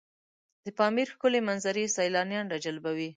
د پامیر ښکلي منظرې سیلانیان راجلبوي.